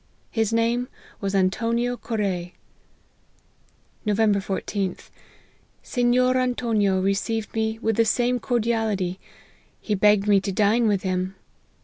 His name was Antonio Corre." " Nov. I4lh. Sennor Antonio received me with the same cordiality : he begged me to dine with him.